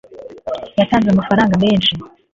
yatanze amafaranga menshi